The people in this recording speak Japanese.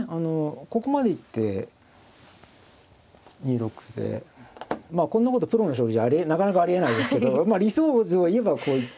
ここまで行って２六歩でまあこんなことプロの将棋じゃなかなかありえないですけど理想図を言えばこういった。